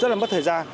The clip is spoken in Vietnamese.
rất là mất thời gian